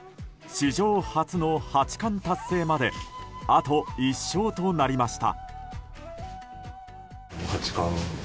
史上初の八冠達成まであと１勝となりました。